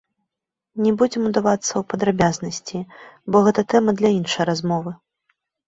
Не будзем удавацца ў падрабязнасці, бо гэта тэма для іншай размовы.